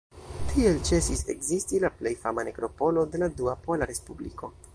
Tiel ĉesis ekzisti la plej fama nekropolo de la Dua Pola Respubliko.